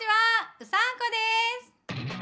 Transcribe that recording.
うさんこです！